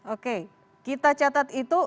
oke kita catat itu